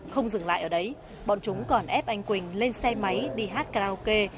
không dừng lại ở đấy bọn chúng còn ép anh quỳnh lên xe máy đi hát karaoke